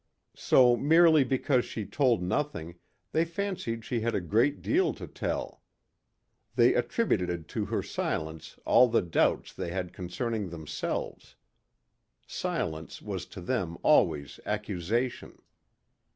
So merely because she told nothing they fancied she had a great deal to tell. They attributed to her silence all the doubts they had concerning themselves. Silence was to them always accusation.